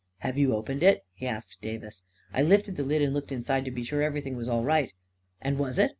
" Have you opened it? " he asked Davis. " I lifted the lid and looked in, to be sure every thing was all right." "And was it?"